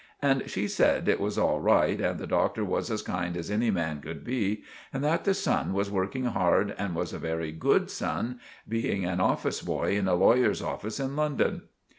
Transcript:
And she said it was all right and the Doctor was as kind as any man could be, and that the son was working hard and was a very good son, being an office boy in a lawer's office in London.